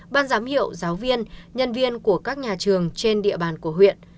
ban giám hiệu giáo viên nhân viên của các nhà trường trên địa bàn của huyện